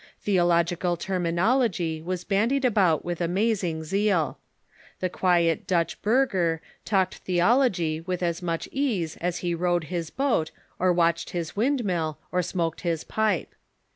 Theological terminology Avas bandied about with amazing zeal. The quiet Dutch burgher talked theology with as much ease as he rowed his boat, or watched his windmill, or smoked his pipe.